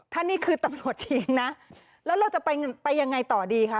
ถ้านี่คือตำรวจจริงนะแล้วเราจะไปยังไงต่อดีคะ